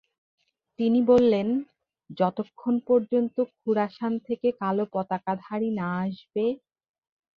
তিনি বললেন, “যতক্ষণ পর্যন্ত খুরাসান থেকে কালো পতাকাধারী না আসবে।